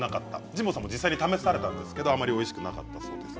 神保さんも実際試されたんですがあまりおいしくなかったということです。